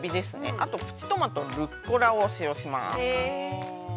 あとプチトマト、ルッコラを使用します。